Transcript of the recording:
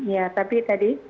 ya tapi tadi